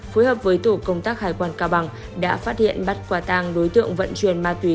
phối hợp với tổ công tác hải quan cao bằng đã phát hiện bắt quả tàng đối tượng vận chuyển ma túy